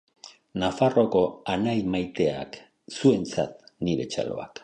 Nafarroako anaia maiteak: zuentzat nire txaloak.